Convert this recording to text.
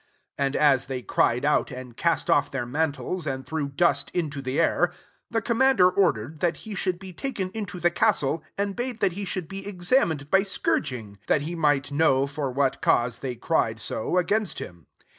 23 And as they cried out, apd cast off their mantles, and threw dust into the air ; 24 the commander or* dered that he should be taken into the castle, and bade that he should be examined by scourging ; that he might know for what cause they cried so against him.